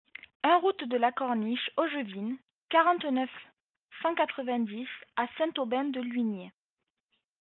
un route de la Corniche Angevine, quarante-neuf, cent quatre-vingt-dix à Saint-Aubin-de-Luigné